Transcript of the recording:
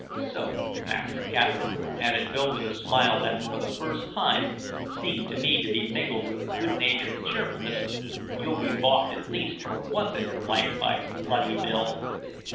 So, Master Captain," added Bill with a smile that, for the first time, seemed to me to be mingled with good natured cheerfulness, "you'll be balked at least for once in your life by Bloody Bill."